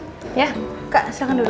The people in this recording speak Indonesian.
kak silahkan duduk